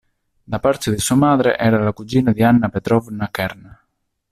Da parte di sua madre, era la cugina di Anna Petrovna Kern.